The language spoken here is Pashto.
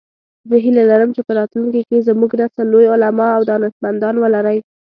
زه هیله لرم چې په راتلونکي کې زموږ نسل لوی علماء او دانشمندان ولری